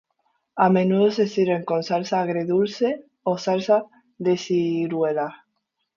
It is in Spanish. A menudo se sirven con salsa agridulce o salsa de ciruela.